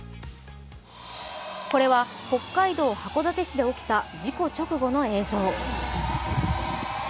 これは北海道函館市で起きた事故直後の映像。